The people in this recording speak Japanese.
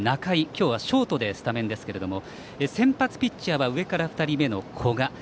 今日はショートでスタメンですけれども先発ピッチャーは上から２人目の古賀。